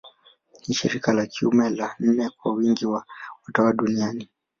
Ni shirika la kiume la nne kwa wingi wa watawa duniani.